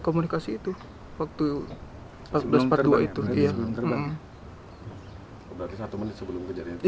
untuk ini perlu lima buah